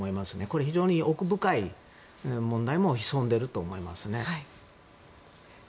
これは非常に奥深い問題も潜んでいると思います。